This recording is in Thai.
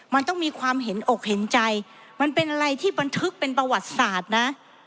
มันต้องมีความเห็นอกเห็นใจมันเป็นอะไรที่บันทึกเป็นประวัติศาสตร์นะ